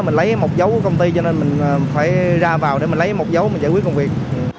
mình lấy một dấu của công ty cho nên mình phải ra vào để mình lấy một dấu mình giải quyết công việc